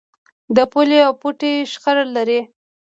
د پولې او پټي شخړه لرئ؟